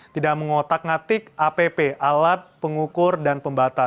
tidak mengotak ngatik app